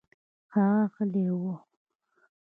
هغه غلى و.